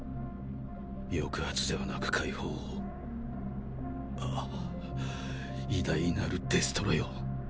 抑圧ではなく解放をああ偉大なるデストロよ。